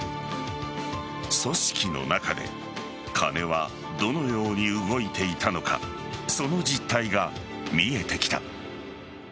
組織の中で金はどのように動いていたのかその実態が見えてきた。